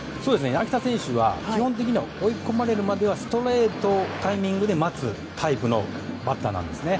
柳田選手は基本的には追い込まれるまではストレートのタイミングで待つバッターなんですね。